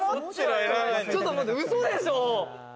ちょっと待って、嘘でしょ？